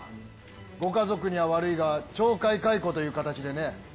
ご家族には悪いが、懲戒解雇という形でね。